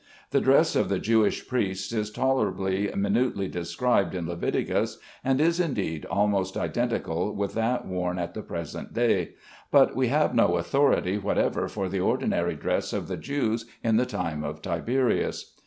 The dress of the Jewish priests is tolerably minutely described in Leviticus, and is indeed almost identical with that worn at the present day; but we have no authority whatever for the ordinary dress of the Jews in the time of Tiberius.